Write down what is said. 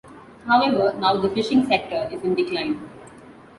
However, now the fishing sector is in decline.